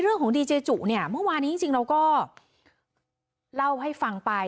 เรื่องของดีเจจุเนี่ยเมื่อวานนี้จริงเราก็เล่าให้ฟังไป